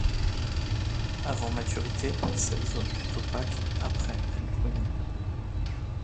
Avant maturité cette zone est opaque, après elle brunit.